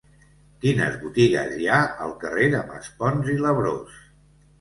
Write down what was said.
Quines botigues hi ha al carrer de Maspons i Labrós?